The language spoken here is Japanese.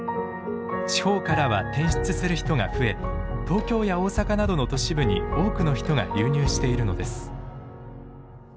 地方からは転出する人が増え東京や大阪などの都市部に多くの人が流入しているのです。